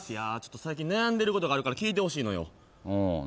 最近悩んでることがあるから聞いてほしいのよおお何？